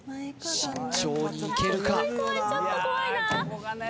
慎重にいけるか？